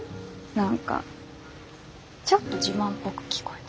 何かちょっと自慢っぽく聞こえた。